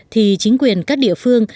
thì chính quyền các địa phương